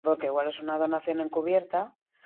Koloreari erreparatuz, zuri edo zuri-arrosa izaten da.